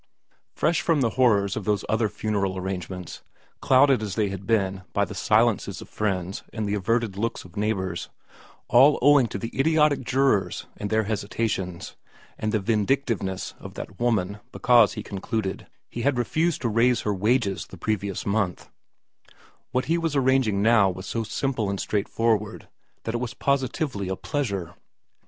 Fresh from the horrors of those other funeral arrangements, clouded as they had been by the silences of friends and the averted looks of neighbours all owing to the idiotic jurors and their hesitations, and the vindictiveness of that woman because, he concluded, he had refused to raise her wages the previous month what he was arranging now was so simple and straightforward that it positively was a pleasure.